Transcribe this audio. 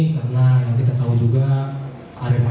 karena yang kita tahu juga arema itu tim besar dan tim kuat